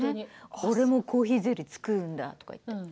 俺もコーヒーゼリー作るんだとか。